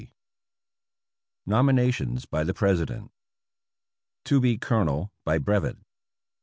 NOMINATIONS BY THE PRESIDENT. To be Colonel by Brevet.